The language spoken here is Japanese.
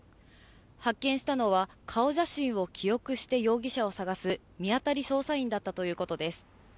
発見したのは、顔写真を記憶して容疑者を探す見当たり捜査員だったということです。